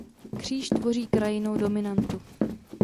Kříž tvoří krajinnou dominantu.